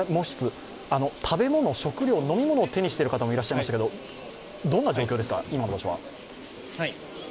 食べ物、食料、飲み物を手にしている方もいらっしゃいましたけど、今の場所はどんな状況ですか？